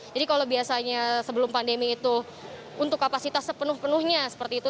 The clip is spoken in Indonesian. jadi kalau biasanya sebelum pandemi itu untuk kapasitas sepenuh penuhnya seperti itu